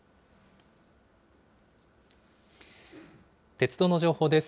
鉄道の情報です。